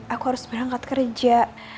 aku harus berangkat kerja